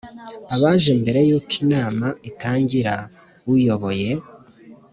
abaje Mbere y uko inama itangira uyoboye